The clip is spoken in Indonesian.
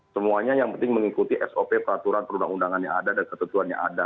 semuanya yang penting mengikuti sop peraturan perundang undangan yang ada dan ketentuan yang ada